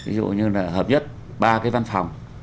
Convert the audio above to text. ví dụ như là hợp nhất ba cái văn phòng